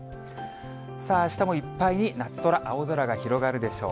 あしたもいっぱい夏空、青空が広がるでしょう。